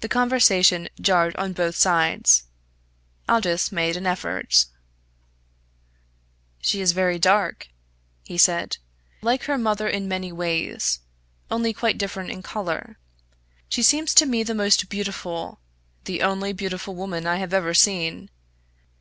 The conversation jarred on both sides. Aldous made an effort. "She is very dark," he said; "like her mother in many ways, only quite different in colour. To me she seems the most beautiful the only beautiful woman I have ever seen.